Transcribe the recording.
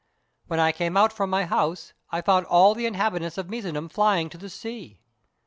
When I came out from my house, I found all the inhabitants of Misenum flying to the sea.